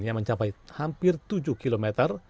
yang mencapai hampir tujuh kilometer